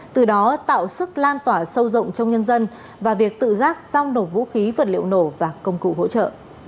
từ đó tạo sức lan tỏa sâu rộng trong nhân dân và việc tự giác giao nộp vũ khí vật liệu nổ và công cụ hỗ trợ